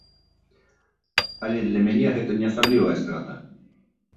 Але для мяне гэта не асаблівая страта.